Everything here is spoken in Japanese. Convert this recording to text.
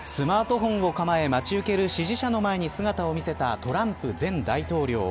スマートフォンを構え待ち受ける支持者の前に姿を見せたトランプ前大統領。